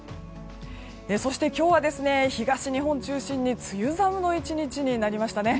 そして、今日は東日本中心に梅雨寒の１日になりましたね。